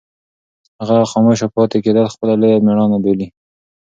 هغه خاموشه پاتې کېدل خپله لویه مېړانه بولي.